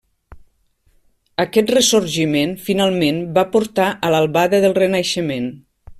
Aquest ressorgiment, finalment, va portar a l'albada del Renaixement.